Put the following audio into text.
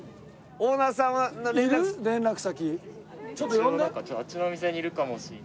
一応あっちのお店にいるかもしれない。